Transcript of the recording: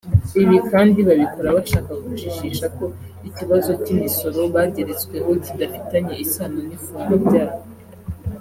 Ibi kandi babikora bashaka kujijisha ko ikibazo cy’imisoro bageretsweho kidafitanye isano n’ifungwa ryabo